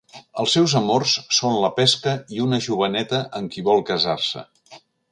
Els seus amors són la pesca i una joveneta amb qui vol casar-se.